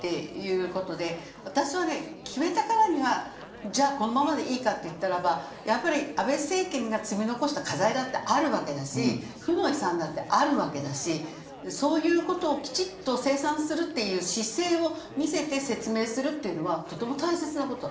私は決めたからにはこのままでいいかといったらば安倍政権が積み残した課題だってあるわけだし負の遺産だってあるわけだしそういうことをきちっと清算する姿勢を見せて説明するというのはとても大切なこと。